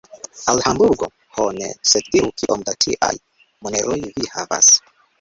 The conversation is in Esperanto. Al Hamburgo? Ho ne; sed diru, kiom da tiaj moneroj vi havas.